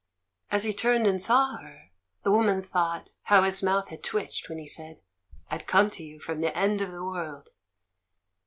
As he tm ned and saw her, the woman thought how his mouth had twitched when he said, "I'd come to you from the end of the world."